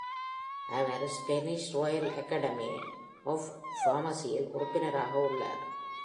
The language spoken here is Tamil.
Our Spanish Royal Academy of பார்மசியில் உறுப்பினராக உள்ளார்.